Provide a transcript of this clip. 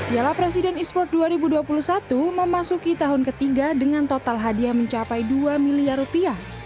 ialah presiden esports dua ribu dua puluh satu memasuki tahun ketiga dengan total hadiah mencapai dua miliar rupiah